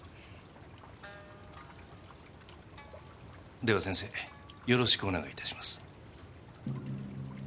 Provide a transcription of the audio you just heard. では先生よろしくお願いいたします。